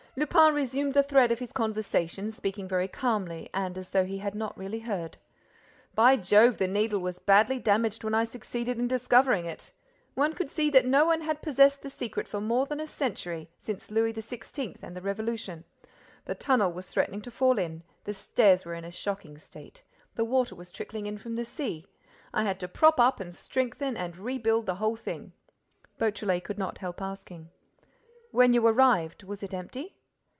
Lupin resumed the thread of his conversation, speaking very calmly and as though he had really not heard: "By Jove, the Needle was badly damaged when I succeeded in discovering it! One could see that no one had possessed the secret for more than a century, since Louis XVI. and the Revolution. The tunnel was threatening to fall in. The stairs were in a shocking state. The water was trickling in from the sea. I had to prop up and strengthen and rebuild the whole thing." Beautrelet could not help asking: "When you arrived, was it empty?"